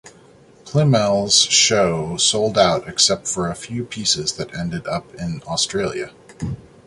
Plymell's show sold out except for a few pieces that ended up in Australia.